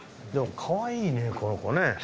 でもかわいいねこの子ね。